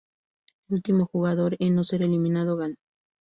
El último jugador en no ser eliminado gana.